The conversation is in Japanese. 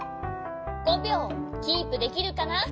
５びょうキープできるかな？